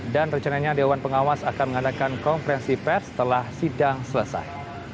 dan rencananya dewan pengawas akan mengadakan konferensi pet setelah sidang selesai